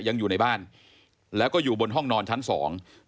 ยังอยู่ในบ้านแล้วก็อยู่บนห้องนอนชั้นสอง